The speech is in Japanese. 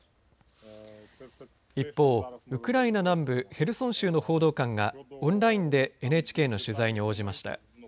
一方、ウクライナ南部ヘルソン州の報道官がオンラインでＮＨＫの取材に応じました。